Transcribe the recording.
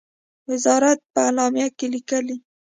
وزارت په اعلامیه کې لیکلی،